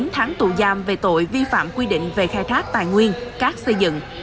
chín tháng tù giam về tội vi phạm quy định về khai thác tài nguyên cát xây dựng